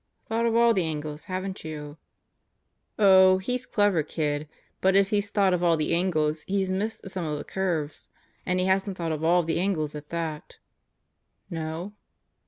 "Thought of all the angles, haven't you?" "Oh, he's clever, kid. But if he's thought of all the angles, he's missed some of the curves. And he hasn't thought of all the angles at that." "No?"